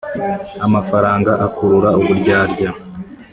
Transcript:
amafaranga akurura uburyarya